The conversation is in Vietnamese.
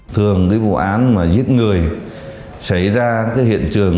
thường cái vụ án mà giết người xảy ra hiện trường